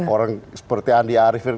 orang seperti andi arifin